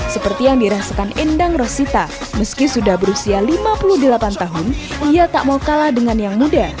seperti yang dirasakan endang rosita meski sudah berusia lima puluh delapan tahun ia tak mau kalah dengan yang muda